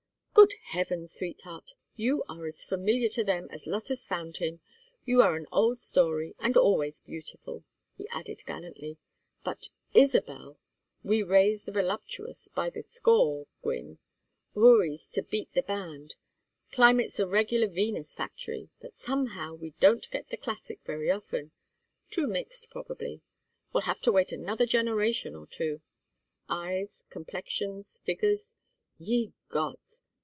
"Good heavens, sweetheart, you are as familiar to them as Lotta's fountain. You are an old story and always beautiful," he added, gallantly. "But Isabel! We raise the voluptuous by the score, Gwynne, houris to beat the band. Climate's a regular Venus factory; but somehow we don't get the classic very often. Too mixed, probably. Will have to wait another generation or two. Eyes, complexions, figures ye gods!